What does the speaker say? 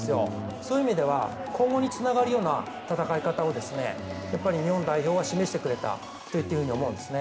そういう意味では今後につながるような戦い方を日本代表は示してくれたと思うんですね。